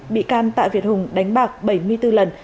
bị can tạ việt hùng đánh bạc bảy mươi bốn lần